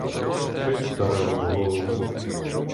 Щось ударило в голову!